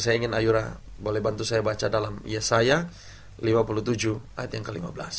saya ingin ayora boleh bantu saya baca dalam ya saya lima puluh tujuh ayat yang ke lima belas